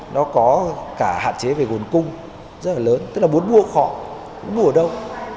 nó có cả hạn chế về nguồn cung rất là lớn tức là muốn mua họ muốn mua ở đâu